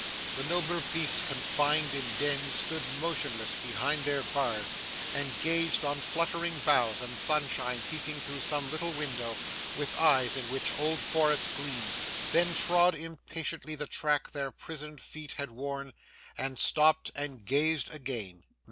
The nobler beasts confined in dens, stood motionless behind their bars and gazed on fluttering boughs, and sunshine peeping through some little window, with eyes in which old forests gleamed then trod impatiently the track their prisoned feet had worn and stopped and gazed again.